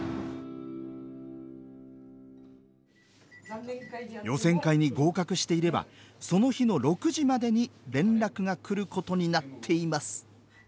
ホントもう予選会に合格していればその日の６時までに連絡がくることになっています。